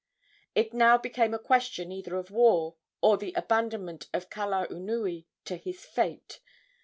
It now became a question either of war or the abandonment of Kalaunui to his fate.